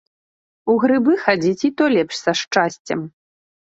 У грыбы хадзіць і то лепш са шчасцем.